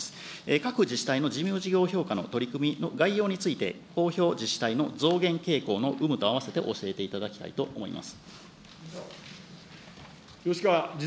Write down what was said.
各自治体の事務事業評価の取り組みの概要について、公表自治体の増減傾向の有無と併せて教えていただきたいと思います。